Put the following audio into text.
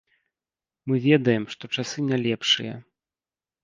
Мы ведаем, што часы не лепшыя.